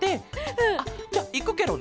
うん。あっじゃあいくケロね。